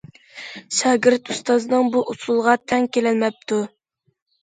شاگىرت ئۇستازىنىڭ بۇ ئۇسۇلىغا تەڭ كېلەلمەپتۇ.